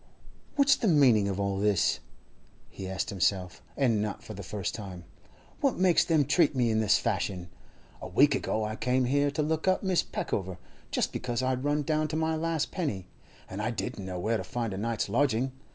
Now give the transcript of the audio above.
'What's the meaning of all this?' he asked himself, and not for the first time. 'What makes them treat me in this fashion? A week ago I came here to look up Mrs. Peckover, just because I'd run down to my last penny, and I didn't know where to find a night's lodging.